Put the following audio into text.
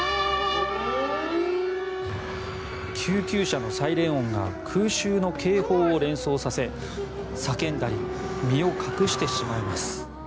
救急車のサイレン音が空襲の警報を連想させ叫んだり身を隠してしまいます。